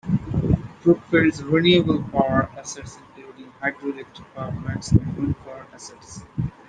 Brookfield's renewable power assets include hydroelectric power plants and wind power assets.